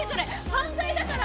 犯罪だから！